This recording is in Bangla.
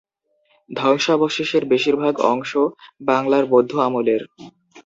ধ্বংসাবশেষের বেশির ভাগ অংশ বাংলার বৌদ্ধ আমলের।